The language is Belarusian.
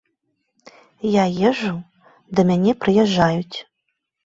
Я езджу, да мяне прыязджаюць.